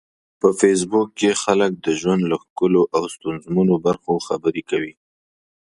په فېسبوک کې خلک د ژوند له ښکلو او ستونزمنو برخو خبرې کوي